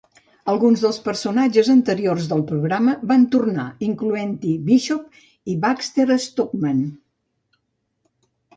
Alguns dels personatges anteriors del programa van tornar, incloent-hi Bishop i Baxter Stockman.